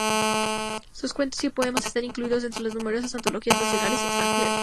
Sus cuentos y poemas están incluidos dentro de numerosas antologías nacionales y extranjero.